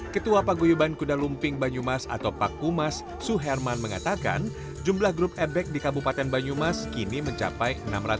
ketua paguyuban kuda lumping banyumas atau pak umas su herman mengatakan jumlah grup ebek di kabupaten banyumas kini mencapai enam ratus tiga puluh